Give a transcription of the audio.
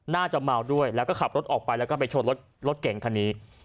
น่าจะเมาด้วยแล้วก็ขับรถออกไปแล้วก็ไปชนรถรถเก่งคันนี้